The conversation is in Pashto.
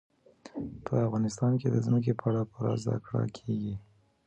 په افغانستان کې د ځمکه په اړه پوره زده کړه کېږي.